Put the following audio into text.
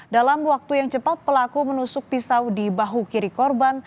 dalam waktu yang cepat pelaku menusuk pisau di bahu kiri korban